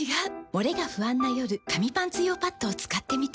モレが不安な夜紙パンツ用パッドを使ってみた。